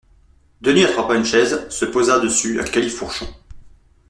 Denis attrapa une chaise, se posa dessus à califourchon